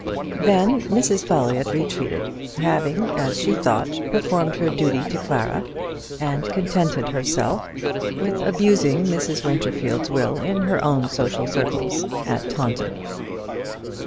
Then Mrs. Folliott retreated, having, as she thought, performed her duty to Clara, and contented herself henceforth with abusing Mrs. Winterfield's will in her own social circles at Taunton.